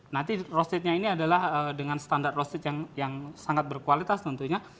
nanti roastednya ini adalah dengan standar roasted yang sangat berkualitas tentunya